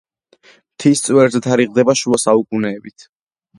მთის წვერზე თარიღდება შუა საუკუნეებით.